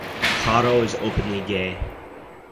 Caro is openly gay.